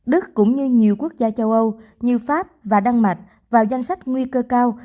đức cũng như nhiều quốc gia châu âu như pháp và đan mạch vào danh sách nguy cơ cao